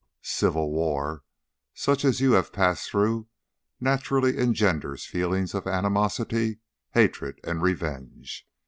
_ _Civil war, such as you have passed through naturally engenders feelings of animosity, hatred and revenge.